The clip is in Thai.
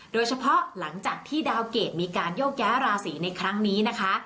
โดยเฉพาะหลังจากที่ดาวเกรดมีการโยแก้ราศีในครั้งนี้นะคะ